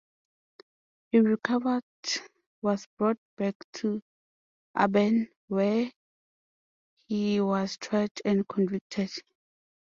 He recovered, was brought back to Auburn where he was tried and convicted.